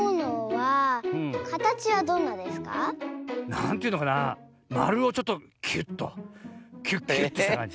なんというのかなまるをちょっとキュッとキュッキュッとしたかんじ。